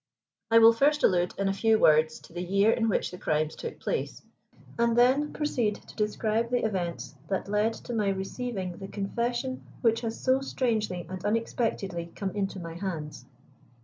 I will first allude, in a few words, to the year in which the crimes took place, and then proceed to describe the events that led to my receiving the confession which has so strangely and unexpectedly come into my hands.